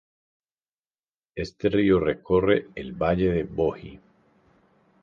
Este río recorre el valle de Bohí.